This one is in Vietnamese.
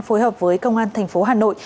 phối hợp với công an thành phố hà nội